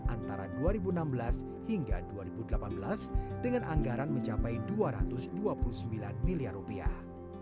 antara dua ribu enam belas hingga dua ribu delapan belas dengan anggaran mencapai dua ratus dua puluh sembilan miliar rupiah